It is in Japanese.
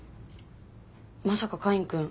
まさカインくん